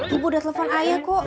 ibu udah telepon ayah kok